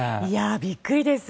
びっくりです。